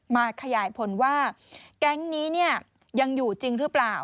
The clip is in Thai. ขยายผลว่าแก๊งนี้ยังอยู่จริงหรือเปล่า